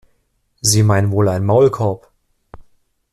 Sie meinen wohl einen Maulkorb?